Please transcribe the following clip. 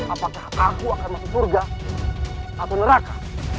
apakah aku akan masuk surga atau neraka